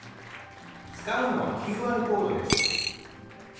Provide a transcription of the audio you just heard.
使うのはＱＲコードです。